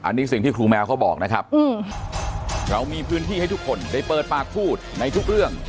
อันนี้สิ่งที่ครูแมวเขาบอกนะครับเรามีพื้นที่ให้ทุกคนได้เปิดปากพูดในทุกเรื่อง